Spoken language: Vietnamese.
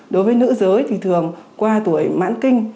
đối với nữ giới thì thường qua tuổi mãn kinh